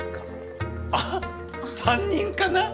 あっ３人かな？